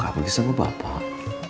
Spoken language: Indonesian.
tapi bapak suka pergi sama bapak